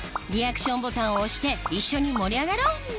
リアクションボタンを押して一緒に盛り上がろう！